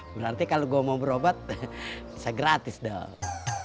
berarti kalau gue mau berobat saya gratis dong